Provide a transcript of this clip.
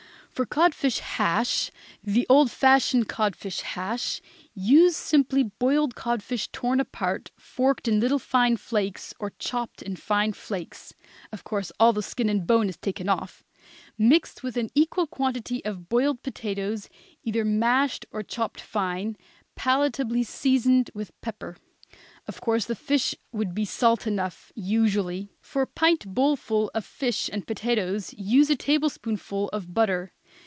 For codfish hash, the old fashioned codfish hash, use simply boiled codfish torn apart, forked in little fine flakes or chopped in fine flakes; of course all the skin and bone is taken off, mixed with an equal quantity of boiled potatoes, either mashed or chopped fine, palatably seasoned with pepper; of course the fish would be salt enough, usually; for a pint bowl full of fish and potatoes, use a tablespoonful of butter.